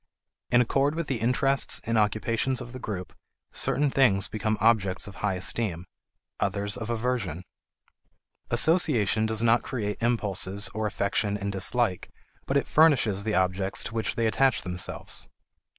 In accord with the interests and occupations of the group, certain things become objects of high esteem; others of aversion. Association does not create impulses or affection and dislike, but it furnishes the objects to which they attach themselves.